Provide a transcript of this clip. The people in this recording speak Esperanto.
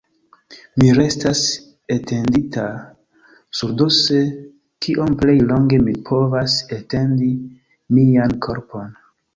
Mi restas etendita surdorse, kiom plej longe mi povas etendi mian korpon.